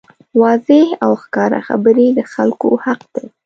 واضحې او ښکاره خبرې د خلکو حق دی.